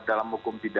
dan dalam hukum pidana